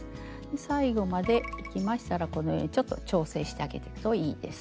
最後までいきましたらこのようにちょっと調整してあげるといいです。